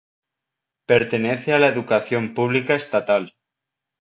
Pertenece a la educación pública estatal.